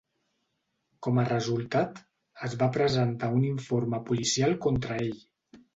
Com a resultat, es va presentar un informe policial contra ell.